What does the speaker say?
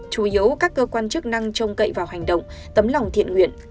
chủ yếu các cơ quan chức năng trông cậy vào hành động tấm lòng thiện nguyện